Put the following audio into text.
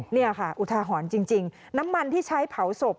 นี่ค่ะอุทาหรณ์จริงน้ำมันที่ใช้เผาศพ